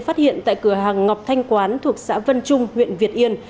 phát hiện tại cửa hàng ngọc thanh quán thuộc xã vân trung huyện việt yên